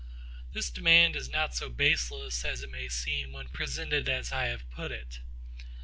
This demand is not so baseless as it may seem when presented as I have put it.